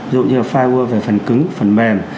ví dụ như là piwer về phần cứng phần mềm